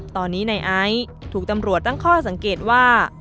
ตอนนี้ในไอซ์ถูกตำรวจตั้งข้อสังเกตว่า